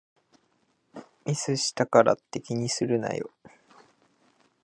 ミスしたからって気にするなよ